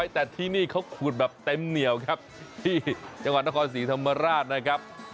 แต่ที่นี่เขาขูดแบบเต็มเหนียวครับที่จังหวัดนครศรีธรรมราชนะครับ